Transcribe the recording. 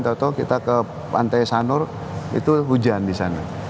contoh kita ke pantai sanur itu hujan di sana